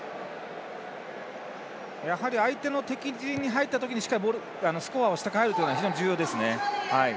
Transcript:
やはり相手の敵陣に入った時にしっかりスコアをして帰るというのは重要ですね。